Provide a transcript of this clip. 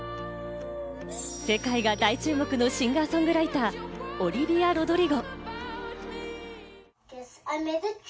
世界が大注目のシンガー・ソングライター、オリヴィア・ロドリゴ。